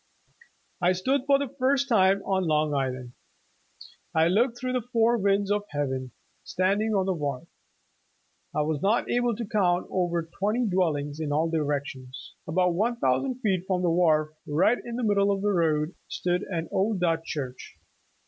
''I stood for the first time on Long Island. I looked through the four winds of heaven, standing on the wharf. I was not able to count over twenty dwellings in all directions. About one thousand feet from the wharf right in the middle of the road, stood an old Dutch Church.